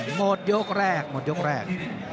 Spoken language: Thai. หมดยกแรกหมดยกแรก